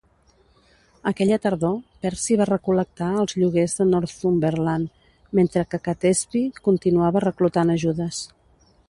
Aquella tardor, Percy va recol·lectar els lloguers de Northumberland, mentre que Catesby continuava reclutant ajudes.